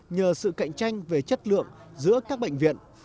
nhờ sự cạnh tranh về chất lượng giữa các bệnh viện